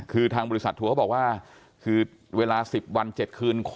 คือทางบริษัททัวร์เขาบอกว่าคือเวลา๑๐วัน๗คืน